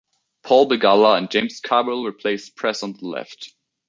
Paul Begala and James Carville replaced Press on the left.